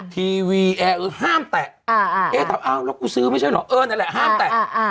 ทีวีแอร์เออห้ามแตะเอถามอ้าวแล้วกูซื้อไม่ใช่เหรอเออนั่นแหละห้ามแตะ